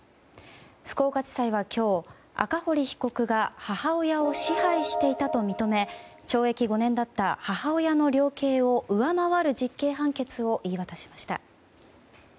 福岡地裁は今日、赤堀被告が母親を支配していたと認め懲役５年だった母親の量刑を上回る実刑判決を言い渡しました。